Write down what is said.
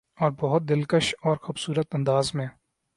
اور بہت دلکش اورخوبصورت انداز میں